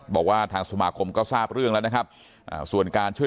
บอกว่าทางสมาคมก็ทราบเรื่องแล้วนะครับส่วนการช่วย